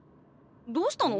どうしたの？